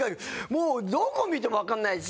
もうどこ見てもわからないし。